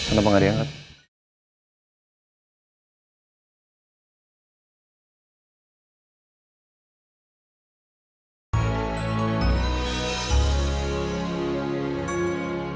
ada apaan hari ini